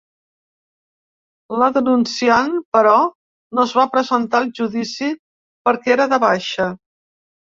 La denunciant, però, no es va presentar al judici perquè era de baixa.